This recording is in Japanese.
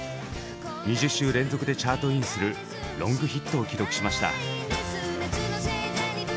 ２０週連続でチャートインするロングヒットを記録しました。